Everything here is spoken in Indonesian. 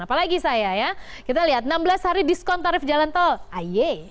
apalagi saya ya kita lihat enam belas hari diskon tarif jalan tol aye